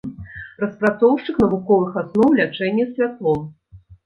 Распрацоўшчык навуковых асноў лячэння святлом.